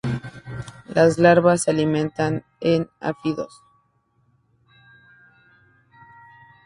Las larvas alimentan en áfidos.